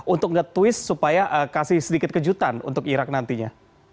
untuk nge twist supaya kasih sedikit kejutan untuk irak nantinya